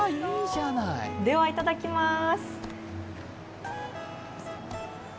ではいただきます。